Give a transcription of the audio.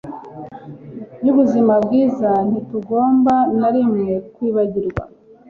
yubuzima bwiza Ntitugomba na rimwe kwibagirwa